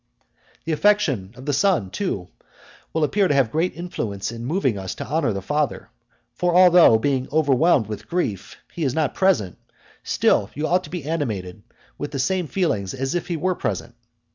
The affection of the son, too, will appear to have great influence in moving us to honour the father; for although, being overwhelmed with grief, he is not present, still you ought to be animated with the same feelings as if he were present.